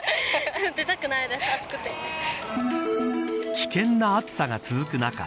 危険な暑さが続く中